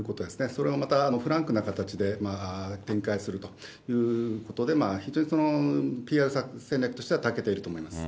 それはまた、フランクな形で展開するということで、非常にＰＲ戦略としてはたけていると思います。